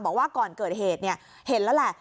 บอกว่าก่อนเกิดเหตุเห็นแล้วแหละ